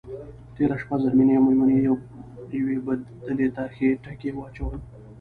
تېره شپه زرمېنې او میمونې یوې بدلې ته ښه ټکي واچول.